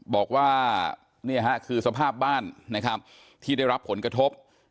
บอกว่านี่คือสภาพบ้านที่ได้รับผลกระทบ